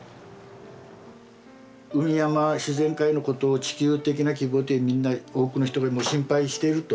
海山自然界のことを地球的な規模でみんな多くの人が心配していると。